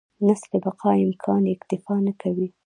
نسل بقا امکان اکتفا نه کوي.